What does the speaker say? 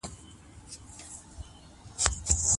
پلان مو د بریا لاره روښانه کوي.